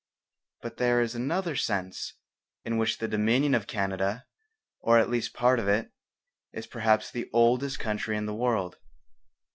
But there is another sense in which the Dominion of Canada, or at least part of it, is perhaps the oldest country in the world.